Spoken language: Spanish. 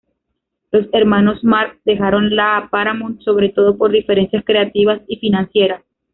Los Hermanos Marx dejaron la Paramount sobre todo por diferencias creativas y financieras.